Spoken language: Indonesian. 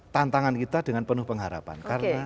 tantangan kita dengan penuh pengharapan karena